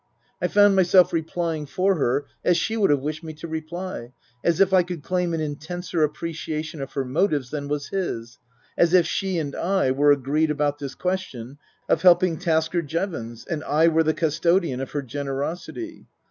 I found myself replying for her as she would have wished me to reply, as if I could claim an intenser appreciation of her motives than was his, as if she and I were agreed about this ques tion of helping Tasker Jevons and I were the custodian of her generosity.